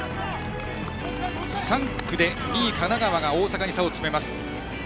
３区で２位の神奈川が大阪に差を詰めます。